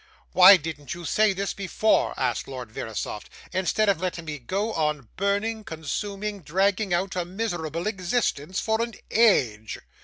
'Why didn't you say this before?' asked Lord Verisopht, 'instead of letting me go on burning, consuming, dragging out a miserable existence for an a age!